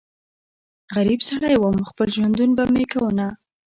غريب سړی ووم خپل ژوندون به مې کوونه